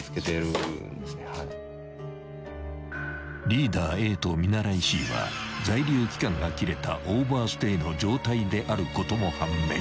［リーダーＡと見習いＣは在留期間が切れたオーバーステイの状態であることも判明］